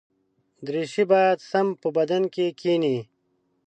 دریشي باید سم په بدن کې کېني.